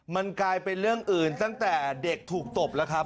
มันกลายเป็นเรื่องอื่นตั้งแต่เด็กถูกตบแล้วครับ